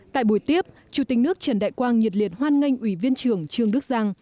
tại buổi tiếp chủ tịch nước trần đại quang nhiệt liệt hoan nghênh ủy viên trưởng trương đức giang